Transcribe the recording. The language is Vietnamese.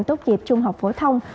tốt nghiệp trung học phổ thông